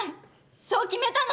そう決めたの！